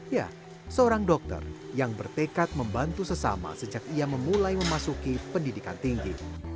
ya seorang dokter yang bertekad membantu sesama sejak ia memulai memasuki pendidikan tinggi